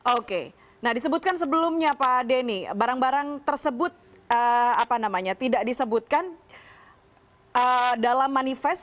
oke nah disebutkan sebelumnya pak denny barang barang tersebut tidak disebutkan dalam manifest